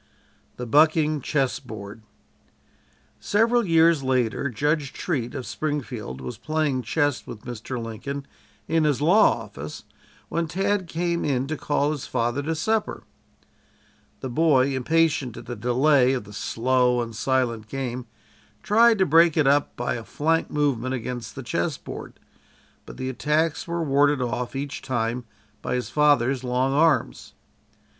THE "BUCKING" CHESS BOARD Several years later Judge Treat, of Springfield was playing chess with Mr. Lincoln in his law office when Tad came in to call his father to supper. The boy, impatient at the delay of the slow and silent game, tried to break it up by a flank movement against the chess board, but the attacks were warded off, each time, by his father's long arms.